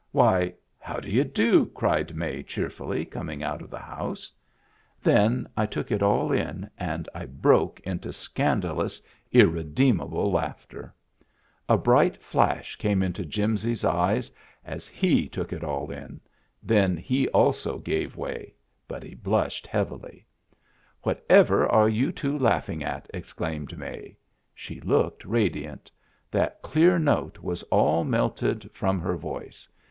" Why, how do you do ?" cried May, cheerfully, coming out of the house. Then I took it all in and I broke into scandal ous, irredeemable laughter. Digitized by Google THE DRAKE WHO HAD MEANS OF HIS OWN 317 A bright flash came into Jimsy's eyes as he took it all in — then he also gave way, but he blushed heavily, " Whatever are you two laughing at ?" ex claimed May. She looked radiant. That clear note was all melted from her voice.